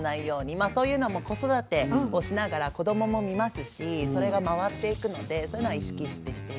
まあそういうのも子育てをしながら子供も見ますしそれが回っていくのでそういうのは意識してしていますね。